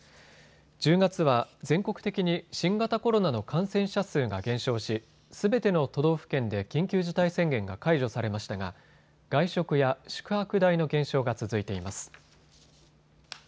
１０月は全国的に新型コロナの感染者数が減少し、すべての都道府県で緊急事態宣言が解除されましたが外食や宿泊代の減少が続いています。